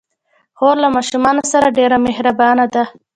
خور له ماشومانو سره ډېر مهربانه ده.